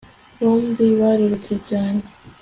bombi barirutse cyane